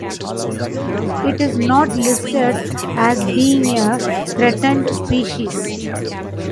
It is not listed as being a threatened species.